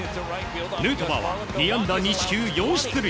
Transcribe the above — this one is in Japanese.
ヌートバーは２安打２四球４出塁。